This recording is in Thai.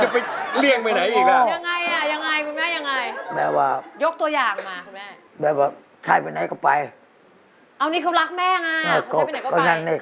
ก็ดูแลแม่พนิบัตรแม่เนี่ยทุกอย่างเลย